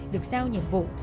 được giao nhiệm vụ